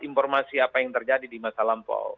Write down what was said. informasi apa yang terjadi di masa lampau